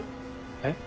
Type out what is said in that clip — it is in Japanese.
えっ？